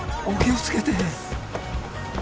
お気を付けて。